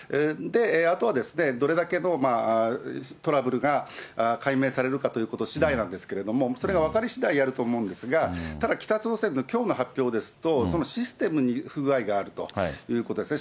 あとはどれだけのトラブルが解明されるかということしだいなんですけれども、それが分かりしだいやると思うんですが、ただ、北朝鮮のきょうの発表ですと、システムに不具合があるということですね。